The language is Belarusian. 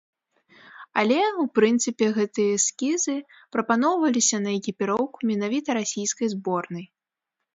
Але, у прынцыпе, гэтыя эскізы прапаноўваліся па экіпіроўку менавіта расійскай зборнай.